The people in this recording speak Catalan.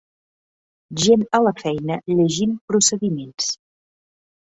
Gent a la feina llegint procediments.